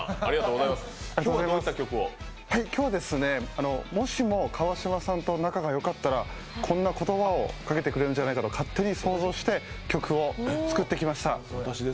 今日はもしも川島さんと仲が良かったらこんな言葉をかけてくれるんじゃないかと勝手に想像して曲を作ってきました。